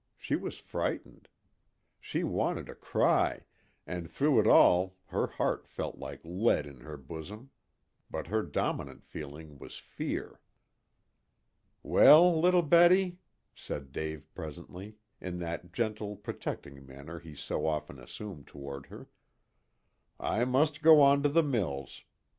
She was frightened. She wanted to cry, and through it all her heart felt like lead in her bosom. But her dominant feeling was fear. "Well, little Betty," said Dave presently, in that gentle protecting manner he so often assumed toward her, "I must go on to the mills.